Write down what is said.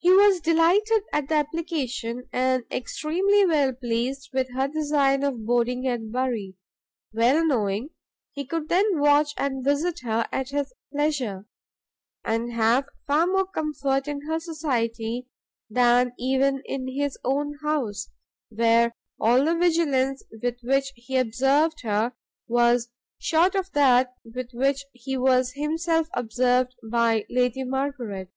He was delighted at the application, and extremely well pleased with her design of boarding at Bury, well knowing, he could then watch and visit her at his pleasure, and have far more comfort in her society than even in his own house, where all the vigilance with which he observed her, was short of that with which he was himself observed by Lady Margaret.